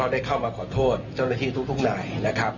ได้เข้ามาขอโทษเจ้าหน้าที่ทุกนายนะครับ